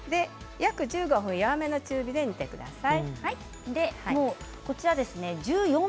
約１５分、弱めの中火で煮てください。